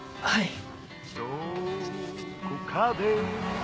はい。